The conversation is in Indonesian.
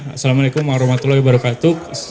assalamualaikum warahmatullahi wabarakatuh